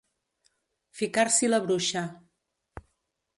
Ficar-s'hi la bruixa.